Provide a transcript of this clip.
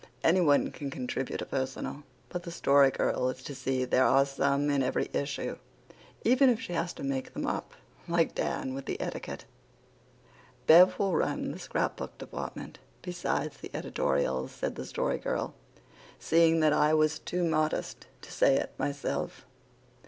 Anyone can contribute a personal, but the Story Girl is to see there are some in every issue, even if she has to make them up, like Dan with the etiquette." "Bev will run the scrap book department, besides the editorials," said the Story Girl, seeing that I was too modest to say it myself.